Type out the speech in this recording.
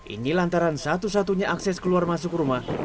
ini lantaran satu satunya akses keluar masuk rumah